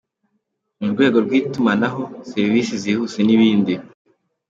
Mu rwego rw’itumanaho, serivisi zihuse n’ibindi.